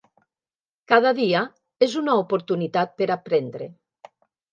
Cada dia és una oportunitat per aprendre.